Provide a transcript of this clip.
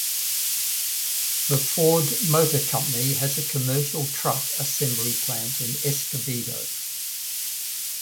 The Ford Motor Company has a commercial truck assembly plant in Escobedo.